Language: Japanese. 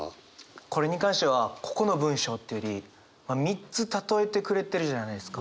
これに関してはここの文章っていうより３つたとえてくれてるじゃないですか。